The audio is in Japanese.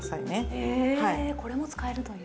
へえこれも使えるという。